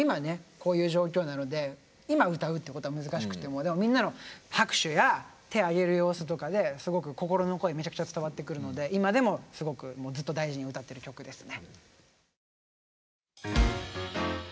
こういう状況なので今歌うってことは難しくてもみんなの拍手や手あげる様子とかですごく心の声めちゃくちゃ伝わってくるので今でもすごくずっと大事に歌ってる曲ですね。